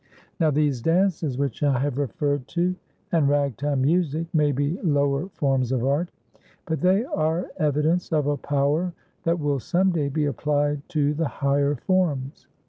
Now, these dances which I have referred to and Ragtime music may be lower forms of art, but they are evidence of a power that will some day be applied to the higher forms.